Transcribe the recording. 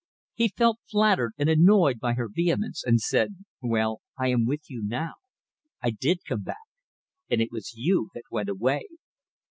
He felt flattered and annoyed by her vehemence, and said "Well, I am with you now. I did come back. And it was you that went away."